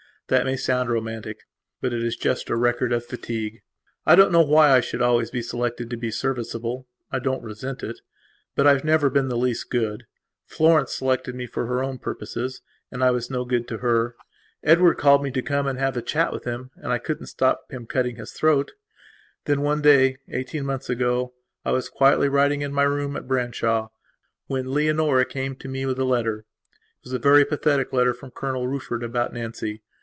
That may sound romanticbut it is just a record of fatigue. I don't know why I should always be selected to be serviceable. I don't resent itbut I have never been the least good. Florence selected me for her own purposes, and I was no good to her; Edward called me to come and have a chat with him, and I couldn't stop him cutting his throat. And then, one day eighteen months ago, I was quietly writing in my room at Branshaw when Leonora came to me with a letter. It was a very pathetic letter from Colonel Rufford about Nancy.